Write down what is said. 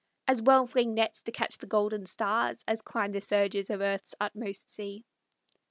"As well fling nets to catch the golden stars As climb the surges of earth's utmost sea."